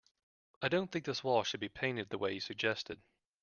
I don't think this wall should be painted the way you suggested.